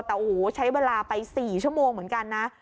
แต่โอ้โหใช้เวลาไป๔ชั่วโมงเหมือนกันนะ